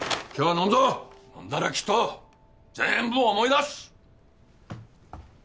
飲んだらきっと全部思い出す！